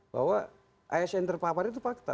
bahwa asn terpapar itu fakta